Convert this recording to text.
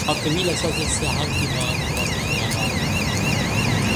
آپ طویل عرصہ سے سیاحت کے بعد واپس شیراز آگئے-